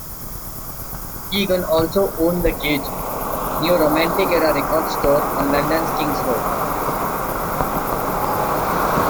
Egan also owned The Cage, a New Romantic-era record store on London's King's Road.